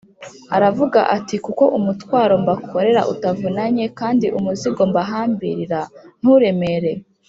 aravuga ati: “kuko umutwaro mbakorera utavunanye kandi umuzigo mbahambirira nturemere